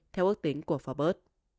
theo ước tính của forbes